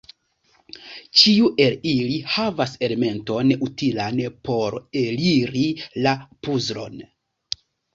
Ĉiu el ili havas elementon utilan por eliri la puzlon.